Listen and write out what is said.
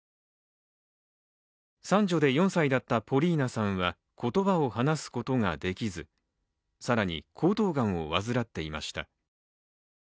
三女で４歳だったポリーナさんは言葉を話すことができず更に、喉頭がんを患っていました。